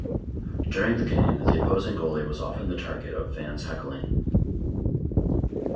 During the game, the opposing goalie was often the target of fans' heckling.